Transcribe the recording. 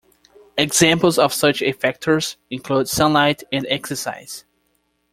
Examples of such effectors include sunlight and exercise.